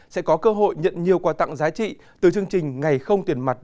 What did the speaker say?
sẽ có cơ hội nhận nhiều quà tặng giá trị từ chương trình ngày không tiền mặt